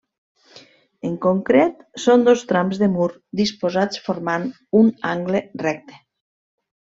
En concret són dos trams de mur disposats formant un angle recte.